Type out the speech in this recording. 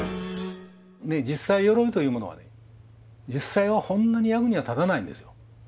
実際鎧というものはね実際はそんなに役には立たないんですよ。